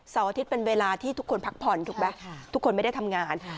เสาร์อาทิตย์เป็นเวลาที่ทุกคนพักผ่อนทุกคนไม่ได้ทำงาน